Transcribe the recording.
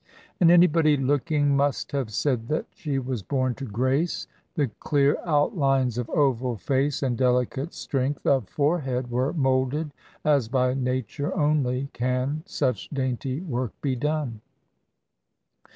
And anybody looking must have said that she was born to grace. The clear outlines of oval face and delicate strength of forehead were moulded as by Nature only can such dainty work be done.